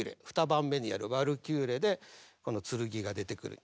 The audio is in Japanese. ２番目にやる「ワルキューレ」でこの剣が出てくる。